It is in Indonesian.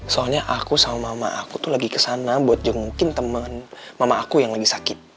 soalnya aku sama mama aku tuh lagi kesana buat jengukin teman mama aku yang lagi sakit